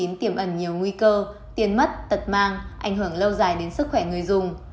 nguy cơ tiền mất tật mang ảnh hưởng lâu dài đến sức khỏe người dùng